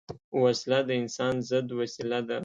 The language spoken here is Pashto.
وسله د انسان ضد وسیله ده